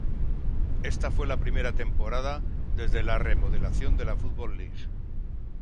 Esta fue la primera temporada desde la remodelación de la Football League.